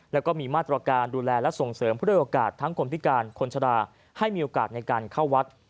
แล้วก็มีมาตรการดูแลและส่งเสริมเพื่อด้วยโอกาสทั้งคนพิการคนชะลาให้มีโอกาสในการเข้าวัด